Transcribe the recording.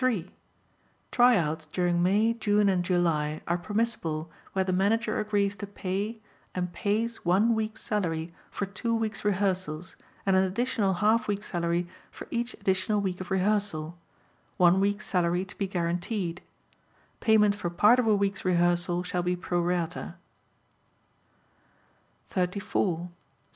"Tryouts" during May, June and July are permissible where the Manager agrees to pay and pays one week's salary for two weeks' rehearsals and an additional half week's salary for each additional week of rehearsal, one week's salary to be guaranteed. Payment for part of a week's rehearsal shall be pro rata.